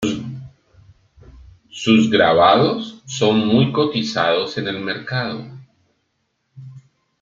Sus grabados son muy cotizados en el mercado.